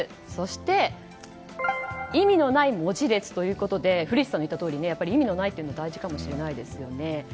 そして、意味のない文字列ということで古市さんの言ったとおり意味のないというのは大事かもしれないですよね。